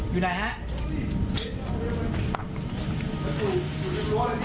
อยู่ไหนฮะ